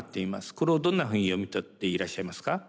これをどんなふうに読み取っていらっしゃいますか？